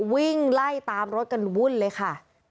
วิ่งไล่ตามรถกระดูกบุญเลยค่ะ